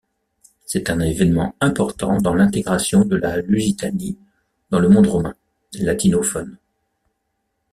C'est un événement important dans l'intégration de la Lusitanie dans le monde romain, latinophone.